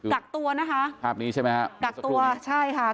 กักตัวนะคะภาพนี้ใช่ไหมครับ